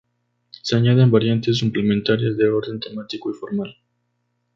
Se añaden variantes suplementarias de orden temático y formal.